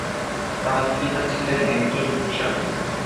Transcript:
তার পিতা ছিলেন একজন ভূস্বামী।